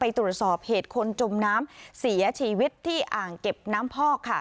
ตรวจสอบเหตุคนจมน้ำเสียชีวิตที่อ่างเก็บน้ำพอกค่ะ